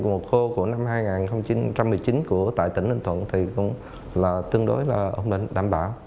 mùa khô của năm hai nghìn một mươi chín tại tỉnh ninh thuận thì cũng là tương đối là ổn định đảm bảo